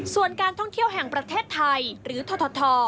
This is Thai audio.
ส่วนการท่องเที่ยวแห่งประเทศไทยหรือทท